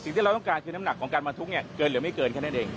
ที่เราต้องการคือน้ำหนักของการบรรทุกเกินหรือไม่เกินแค่นั้นเอง